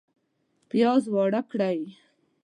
پیاز واړه کړئ